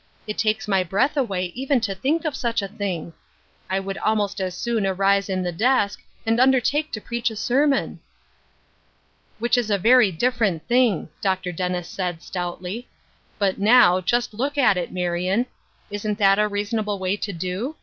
It takes my breath away even to think of such a thing I I would almost as soon arise in the desk, and undertake to preach a sermon." " Which is a very different thing," Dr. Dennis said, stoutly. " J^ut, now, just look at it, Marion. Isn't that the reasonable way to do